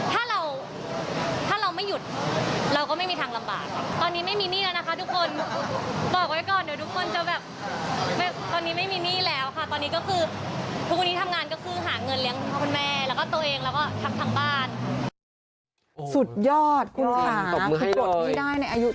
ถ้าเราไม่หยุดเราก็ไม่มีทางลำบาก